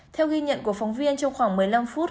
theo ghi nhận của phóng viên trong khoảng một mươi năm phút